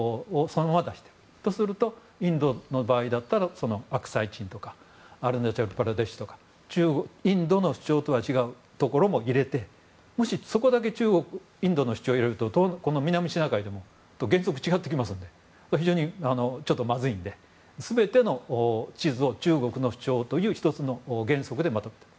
インドの場合はアクサイチンとかアルナチャル・プラデシュとかインドの主張とは違うところも入れてもし、そこだけインドの主張を入れると南シナ海でも原則違ってきますので非常にまずいので全ての地図を中国の主張という１つの原則でまとめている。